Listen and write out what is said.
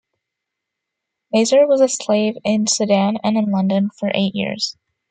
Nazer was a slave in Sudan and in London for eight years.